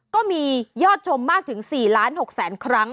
ก็มียอดชมมากถึง๔ล้าน๖แสนครั้ง